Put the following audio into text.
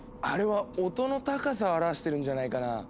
あれは音の高さを表してるんじゃないかな？